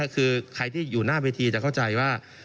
คือใครที่อยู่หน้าเวทีจะเข้าใจว่า